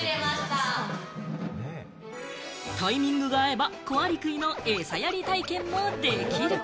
タイミングが合えば、コアリクイの餌やり体験もできる。